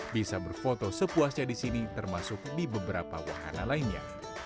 bisa berfoto sepuasnya di sini termasuk di beberapa wahana lainnya